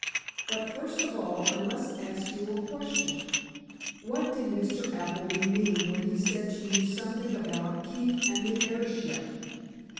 But, first of all I must ask you a question. What did Mr. Appleby mean when he said to you something about Keefe and the airship?"